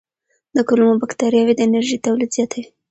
د کولمو بکتریاوې د انرژۍ تولید زیاتوي.